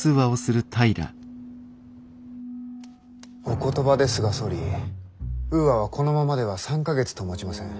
お言葉ですが総理ウーアはこのままでは３か月ともちません。